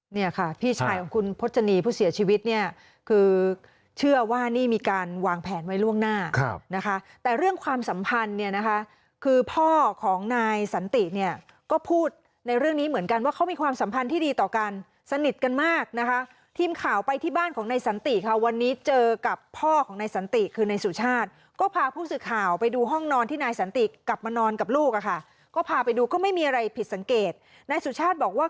นี่ค่ะพี่ชายของคุณพฤษณีย์ผู้เสียชีวิตเนี่ยคือเชื่อว่านี่มีการวางแผนไว้ล่วงหน้านะคะแต่เรื่องความสัมพันธ์เนี่ยนะคะคือพ่อของนายสันติเนี่ยก็พูดในเรื่องนี้เหมือนกันว่าเขามีความสัมพันธ์ที่ดีต่อกันสนิทกันมากนะคะทีมข่าวไปที่บ้านของนายสันติค่ะวันนี้เจอกับพ่อของนายสันติคือนายสุชาต